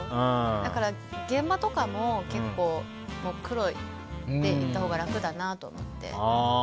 だから、現場とかも結構、黒で行ったほうが楽だなと思って。